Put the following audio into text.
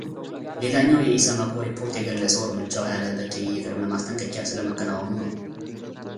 ሌላኛው የኢሰመኮ ሪፖርት የገለጸው እርምጃው ያለ በቂ የቅድመ ማስጠንቀቂያ ስለመከናወኑ ነው።